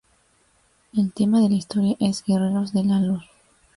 El tema de la historia es "guerreros de la luz".